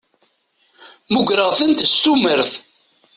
Mmugreɣ-tent s tumert.